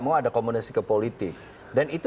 mau ada komunikasi ke politik dan itu